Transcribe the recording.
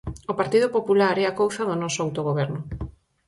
O Partido Popular é a couza do noso autogoberno.